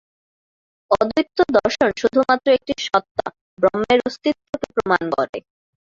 অদ্বৈত দর্শন শুধুমাত্র একটি সত্ত্বা, ব্রহ্মের অস্তিত্বকে প্রমাণ করে।